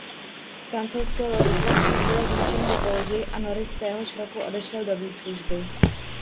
Francouzské loďstvo však bylo zničeno v bouři a Norris téhož roku odešel do výslužby.